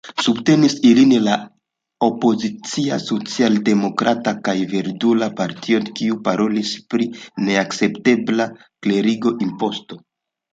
Subtenis ilin la opoziciaj Socialdemokrata kaj Verdula Partioj, kiuj parolis pri neakceptebla klerigo-imposto.